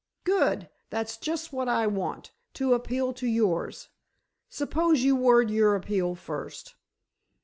"Good! That's just what I want—to appeal to yours. Suppose you word your appeal first."